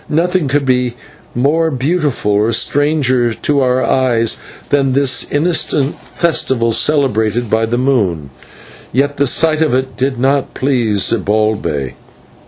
Nothing could be more beautiful or stranger to our eyes than this innocent festival celebrated beneath the open sky and lighted by the moon. Yet the sight of it did not please Zibalbay.